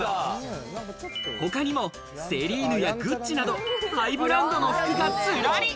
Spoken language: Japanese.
他にもセリーヌやグッチなど、ハイブランドの服がずらり。